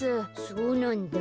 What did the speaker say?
そうなんだ。